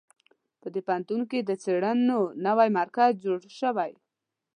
په دې پوهنتون کې د څېړنو نوی مرکز جوړ شوی